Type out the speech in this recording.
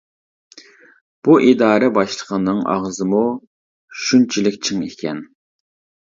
بۇ ئىدارە باشلىقىنىڭ ئاغزىمۇ، شۇنچىلىك چىڭ ئىكەن.